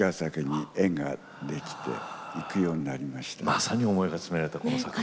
まさに思いが詰められたこの作品。